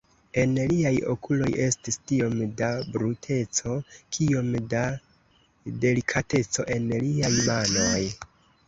En liaj okuloj estis tiom da bruteco, kiom da delikateco en liaj manoj.